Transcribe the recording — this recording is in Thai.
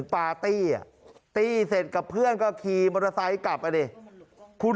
ปลาตี้กลับเพื่อนก็ขยีมอเตอร์ไซส์กลับแล้วเนี่ย